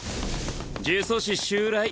呪詛師襲来。